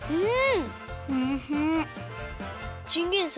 うん！